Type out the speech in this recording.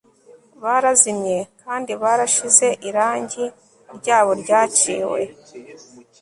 barazimye kandi barashize, irangi ryabo ryaciwe